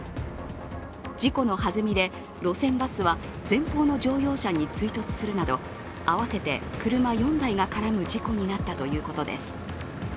事故のはずみで路線バスは前方の乗用車に追突するなど合わせて車４台が絡む事故になったということです。